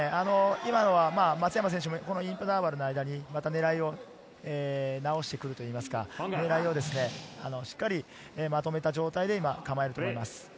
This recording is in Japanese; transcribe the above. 今のは松山選手、このインターバルの間に狙いを直してくるといいますか、しっかりまとめた状態で構えています。